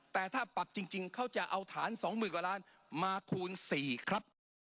แต่ถ้าปักจริงเขาจะเอาฐานสองหมื่นกว่าล้านมาคูณสี่ครับ